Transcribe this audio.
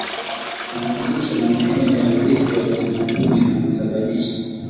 makumbusho na maeneo ya urithi wa kitamaduni na husababisha